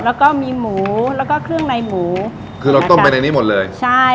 แล้วก็มีหมูแล้วก็เครื่องในหมูคือเราต้มไปในนี้หมดเลยใช่